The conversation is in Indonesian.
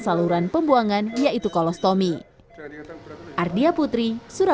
saluran pembuangan yaitu kolostomi